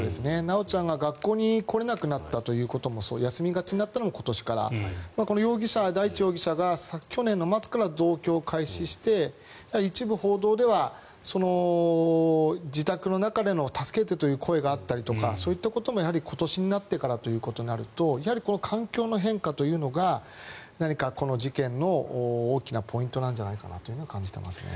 修ちゃんが学校に来れなくなったということもそう休みがちになったのも今年からこの大地容疑者が去年の末から同居を開始して一部報道では自宅の中で助けてという声があったりとかそういったことも今年になってからということになるとやはり環境の変化というのが何かこの事件の大きなポイントなんじゃないかと感じていますね。